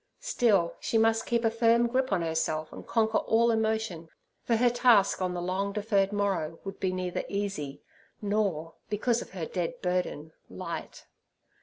Still, she must keep a firm grip on herself and conquer all emotion, for her task on the long deferred morrow would be neither easy, nor, because of her dead burden, light.